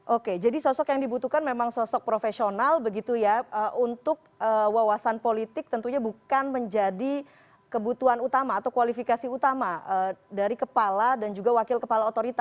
oke jadi sosok yang dibutuhkan memang sosok profesional begitu ya untuk wawasan politik tentunya bukan menjadi kebutuhan utama atau kualifikasi utama dari kepala dan juga wakil kepala otorita